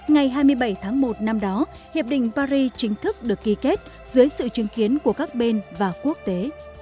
ngày hai mươi bảy tháng một năm đó hiệp định paris chính thức được ký kết dưới sự chứng kiến của các bên và quốc tế